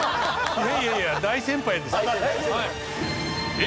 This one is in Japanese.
いやいやいや大先輩ですよ。